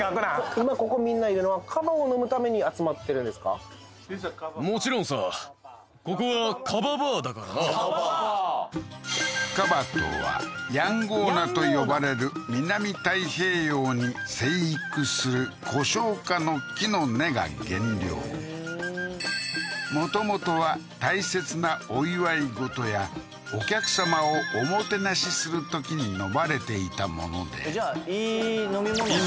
今ここみんないるのはカババーカバとはヤンゴーナと呼ばれる南太平洋に生育する胡椒科の木の根が原料もともとは大切なお祝い事やお客さまをおもてなしするときに飲まれていたものでじゃあいい飲み物なんやな